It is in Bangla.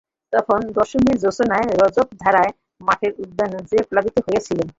তখন দশমীর জ্যোৎস্নার রজতধারায় মঠের উদ্যান যেন প্লাবিত হইতেছিল।